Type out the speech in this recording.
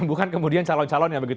bukan kemudian calon calonnya begitu